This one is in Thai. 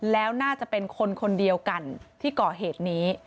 แล้วน่าจะเป็นคนคนเดียวกันที่ก่อเหตุนี้